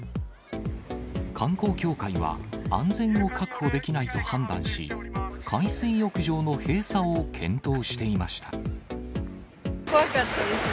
観光協会は、安全を確保できないと判断し、海水浴場の閉鎖を検討していまし怖かったです。